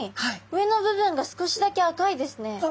上の部分が少しだけ赤いですね。